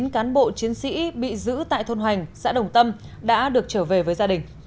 chín cán bộ chiến sĩ bị giữ tại thôn hoành xã đồng tâm đã được trở về với gia đình